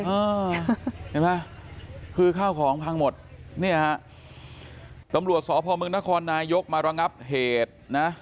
เห็นไหมคือข้าวของพังหมดตำรวจสพนนายยกมารังับเหตุ